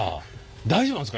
大丈夫なんですか？